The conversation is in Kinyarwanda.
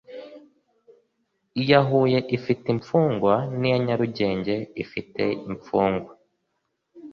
iya huye ifite imfungwa n iya nyarugenge ifite imfungwa